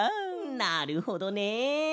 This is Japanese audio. なるほどね。